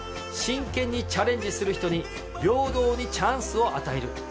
真剣にチャレンジする人に平等にチャンスを与える。